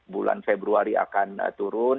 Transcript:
bulan februari akan turun